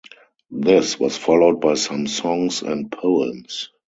This was followed by some songs and poems.